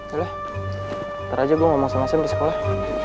yaudah ntar aja gue ngomong sama sam di sekolah